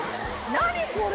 何これ？